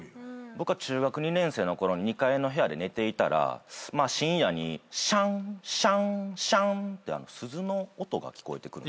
僕が中学２年生のころに２階の部屋で寝ていたら深夜にシャンシャンシャンって鈴の音が聞こえてくるんですよ。